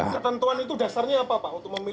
ketentuan itu dasarnya apa pak